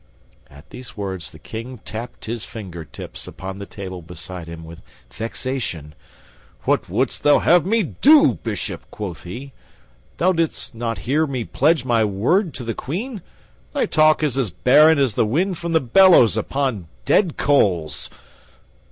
At these words the King tapped his fingertips upon the table beside him with vexation. "What wouldst thou have me do, Bishop?" quoth he. "Didst thou not hear me pledge my word to the Queen? Thy talk is as barren as the wind from the bellows upon dead coals."